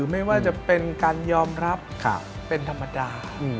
ไม่ว่าจะเป็นการยอมรับเป็นธรรมดา